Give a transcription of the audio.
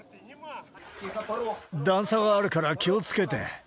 段差があるから気をつけて。